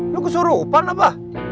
lu kesurupan apa